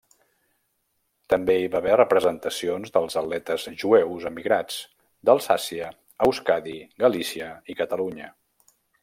També hi va haver representacions dels atletes jueus emigrats, d'Alsàcia, Euskadi, Galícia i Catalunya.